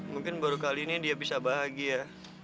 mungkin baru kali ini dia bisa bahagia